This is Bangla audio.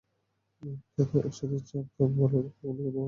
একসাথে চাপ-তাপ বাড়ালে তো কথাই নেই।